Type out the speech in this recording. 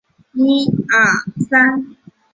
多年生草本。